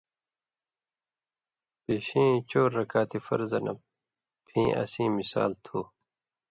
پیشی یَیں چؤر رکاتی فرضہ نہ پھیں اسیں مثال تُھو۔